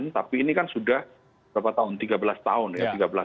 tapi ini kan sudah berapa tahun tiga belas tahun ya